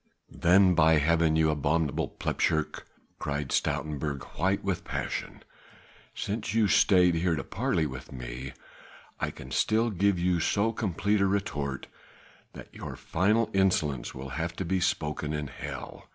"Then by Heaven, you abominable plepshurk," cried Stoutenburg white with passion, "since you stayed here to parley with me, I can still give you so complete a retort that your final insolence will have to be spoken in hell.